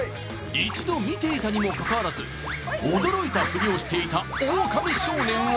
一度見ていたにもかかわらず驚いたフリをしていたオオカミ少年は？